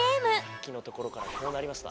さっきのところからこうなりました。